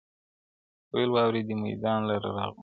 ويل واورئ دې ميدان لره راغلو-